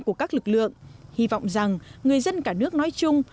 của các lực lượng hy vọng rằng người dân cả nước nói chung